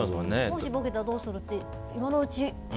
もしボケたらどうするって今のうちに。